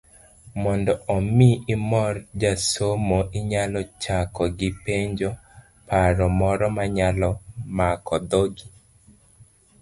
Mondo omi imor josomo, inyalo chako gi penjo, paro moro manyalo mako dhogi.